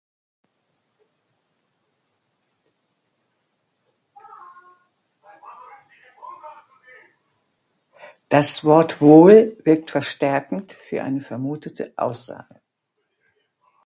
Das Wort "wohl" wirkt verstärkend für eine vermutete Aussage.